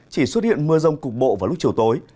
chỉ xuất hiện mưa rông cục bộ vào lúc chiều tối